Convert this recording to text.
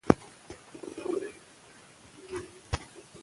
علم د پرمختګ لامل دی.